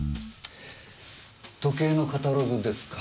時計のカタログですか。